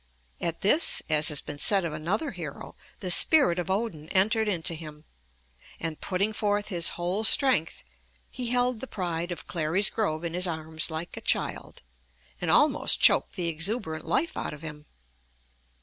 At this, as has been said of another hero, "the spirit of Odin entered into him," and putting forth his whole strength, he held the pride of Clary's Grove in his arms like a child, and almost choked the exuberant life out of him.